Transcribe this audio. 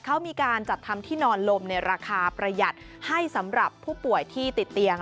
เขามีการจัดทำที่นอนลมในราคาประหยัดให้สำหรับผู้ป่วยที่ติดเตียง